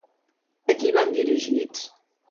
A qui van dirigits?